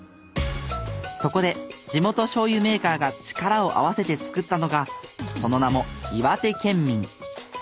そこで地元しょうゆメーカーが力を合わせて作ったのがその名もいわて健民。